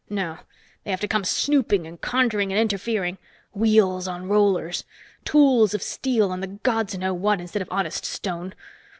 No, they have to come snooping and conjuring and interfering. Wheels on rollers! Tools of steel and the gods know what instead of honest stone.